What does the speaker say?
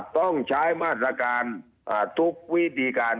ต้องใช้มาตรการทุกวิธีการ